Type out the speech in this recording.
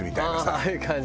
ああいう感じのね。